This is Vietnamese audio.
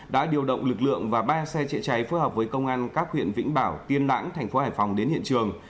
đã điều động lực lượng và ba xe chế cháy phối hợp với công an các huyện vĩnh bảo tiên lãng thành phố hải phòng đến hiện trường